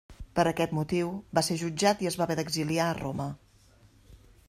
Per aquest motiu, va ser jutjat i es va haver d'exiliar a Roma.